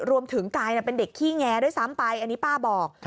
รวมถึงกายเป็นเด็กขี้แงด้วยซ้ำไปอันนี้ป้าบอก